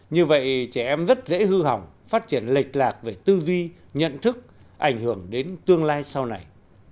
như vậy trẻ em rất dễ hư hỏng phát triển lệch lạc về tư duy nhận thức ảnh hưởng đến tương lai sau này